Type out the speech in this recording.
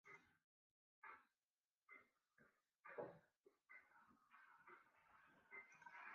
Wat wolle jo witte?